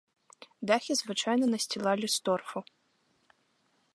Дахі звычайна насцілалі з торфу.